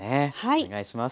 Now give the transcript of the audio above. お願いします。